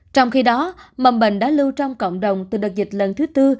trong khi đó mầm bệnh đã lưu trong cộng đồng từ đợt dịch lần thứ tư